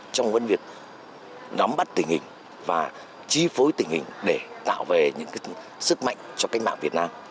trong vấn việc nắm bắt tình hình và chi phối tình hình để tạo về những sức mạnh cho cách mạng việt nam